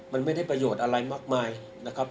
มันไม่ได้ประโยชน์อะไรมากมายนะครับ